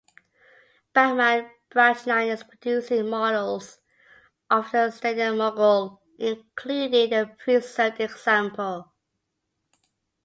Bachmann Branchline is producing models of the Stanier Mogul including the preserved example.